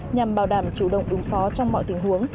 nhằm bảo đảm chủ động ứng phó trong mọi tình huống